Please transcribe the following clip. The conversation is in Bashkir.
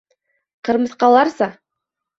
Ҡырмыҫҡаларса!